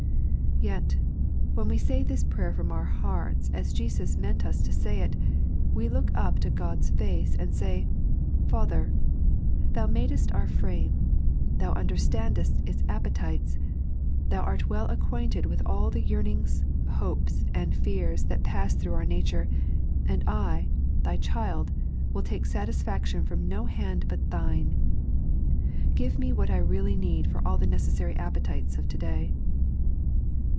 Yet, when we say this prayer from our hearts as Jesus meant us to say it, we look up to God's face and say :" lather, Thou madest oiur frame. Thou underetandest its appetites ; Thou art well acquainted with all the yesmings, hopes, and fears, that pass through our nature, and I, Thy child, will take satisfaction from no band but Thine ; give me what I really need for all the necessary appetites of to day."